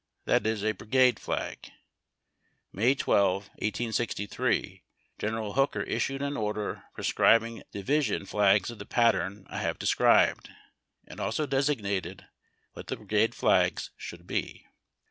That is a brigade flag. May 12, 1863, General Hooker issued an order prescribing division flags of the pattern I have described, and also designated what the brigade flags should be.